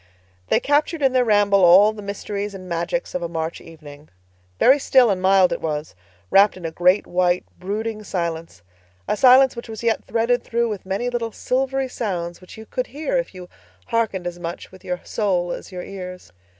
They captured in their ramble all the mysteries and magics of a March evening. Very still and mild it was, wrapped in a great, white, brooding silence—a silence which was yet threaded through with many little silvery sounds which you could hear if you hearkened as much with your soul as your ears.